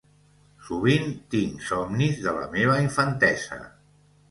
Sovint tinc somnis de la meva infantesa